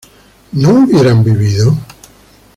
¿no hubieran vivido?